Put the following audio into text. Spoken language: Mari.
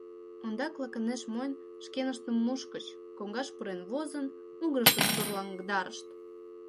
— Ондак лаканеш мойн шкеныштым мушкыч, коҥгаш пурен возын, могырыштым сурлаҥдарышт.